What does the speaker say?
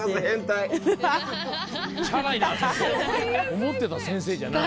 思ってた先生じゃない。